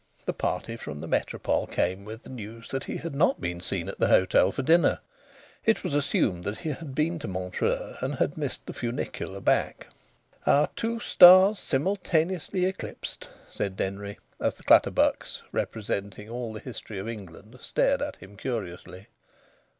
The party from the Métropole came with the news that he had not been seen at the hotel for dinner; it was assumed that he had been to Montreux and missed the funicular back. "Our two stars simultaneously eclipsed!" said Denry, as the Clutterbucks (representing all the history of England) stared at him curiously.